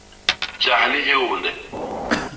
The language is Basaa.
Jas li hiônde.